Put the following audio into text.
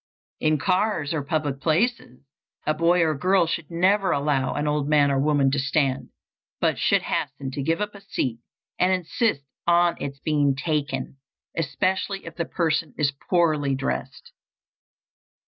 In cars or public places, a boy or girl should never allow an old man or woman to stand, but should hasten to give up a seat and insist on its being taken, especially if the person is poorly dressed.